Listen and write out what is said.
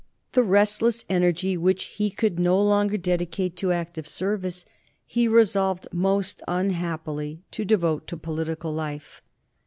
The restless energy which he could no longer dedicate to active service he resolved most unhappily to devote to political life.